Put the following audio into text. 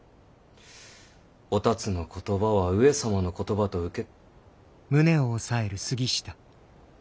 お龍の言葉は上様の言葉と受け。